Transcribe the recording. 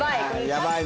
やばいな。